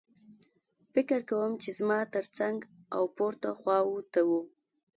فکر کوم چې زما ترڅنګ او پورته خوا ته وو